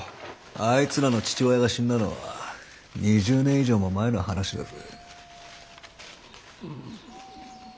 あいつらの父親が死んだのは２０年以上も前の話だぜ。